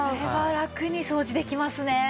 これはラクに掃除できますね！